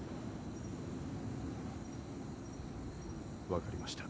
分かりました。